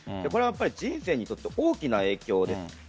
これは人生にとって大きな影響です。